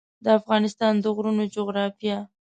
د افغانستان د غرونو جغرافیه